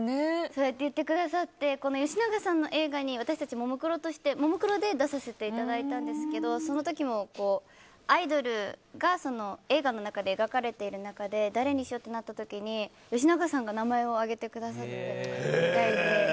そうやって言ってくださって吉永さんの映画に私たち、ももクロとして出させていただいたんですけどその時も、アイドルが映画の中で描かれている中で誰にしようかとなった時に吉永さんが名前を挙げてくださったみたいで。